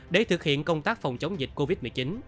để thực hiện công tác phòng chống dịch covid một mươi chín